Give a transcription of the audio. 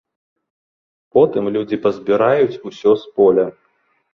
Потым людзі пазбіраюць усё з поля.